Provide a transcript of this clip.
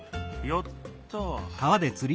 よっと！